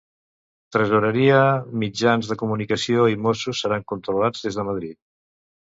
Tresoreria, mitjans de comunicació i Mossos seran controlats des de Madrid.